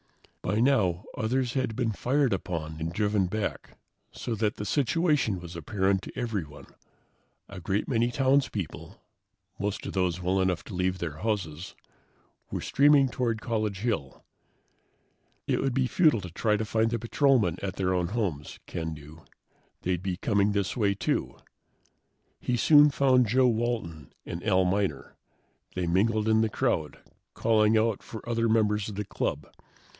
By now, others had been fired upon and driven back, so that the situation was apparent to everyone. A great many townspeople, most of those well enough to leave their houses, were streaming toward College Hill. It would be futile to try to find the patrolmen at their own homes, Ken knew. They'd be coming this way, too. He soon found Joe Walton and Al Miner. They mingled in the crowd, calling out for other members of the club.